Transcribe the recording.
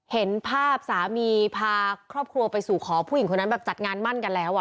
เห็นภาพสามีพาครอบครัวไปสู่ขอผู้หญิงคนนั้นแบบจัดงานมั่นกันแล้ว